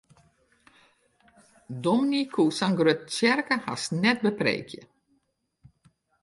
Dominy kin sa'n grutte tsjerke hast net bepreekje.